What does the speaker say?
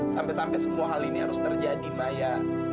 sampai sampai semua hal ini harus terjadi maya